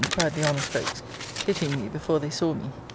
cried the honest folks, pitying me before they saw me.